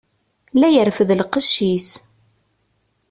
La yerfed lqec-is.